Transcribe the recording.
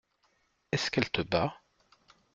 Est-ce qu'elle te bat ?